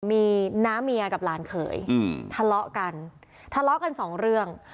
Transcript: มีน้าเมียกับหลานเขยอืมทะเลาะกันทะเลาะกันสองเรื่อง